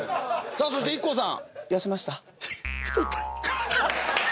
そしてＩＫＫＯさん。